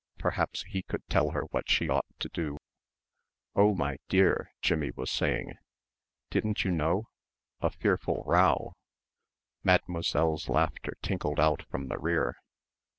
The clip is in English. Perhaps he could tell her what she ought to do. "Oh, my dear," Jimmie was saying, "didn't you know? a fearful row." Mademoiselle's laughter tinkled out from the rear.